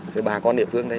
thì bà con địa phương đây